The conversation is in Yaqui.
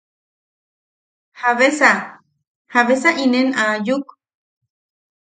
¿Jabesa... jabesa inen aayuk?